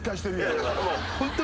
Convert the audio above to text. ホント。